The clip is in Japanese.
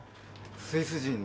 スイス人で。